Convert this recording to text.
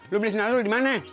lo beli sandal lo dimana